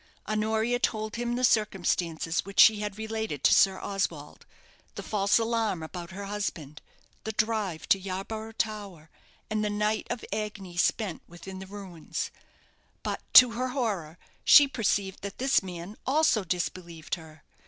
Honoria told him the circumstances which she had related to Sir Oswald; the false alarm about her husband, the drive to Yarborough Tower, and the night of agony spent within the ruins; but, to her horror, she perceived that this man also disbelieved her.